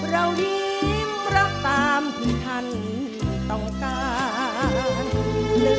เรายิ้มรักตามที่ท่านต้องการ